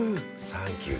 ◆サンキュー